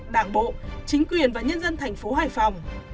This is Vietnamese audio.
đảng bộ chính quyền và nhân dân thành phố hải phòng